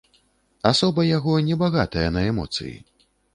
Асоба яго не багатая на эмоцыі.